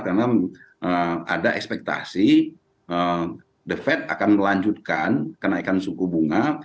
karena ada ekspektasi the fed akan melanjutkan kenaikan suku bunga